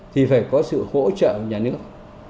thì phải có sự hỗ trợ nhà nước